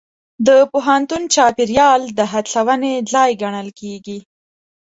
د پوهنتون چاپېریال د هڅونې ځای ګڼل کېږي.